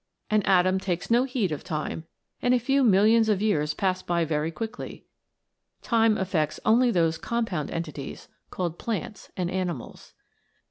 An atom takes no heed of time, and a few millions of years pass by very quickly. Time affects only those compound entities called plants and animals.